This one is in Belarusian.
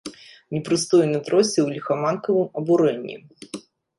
Непрыстойна тросся ў ліхаманкавым абурэнні.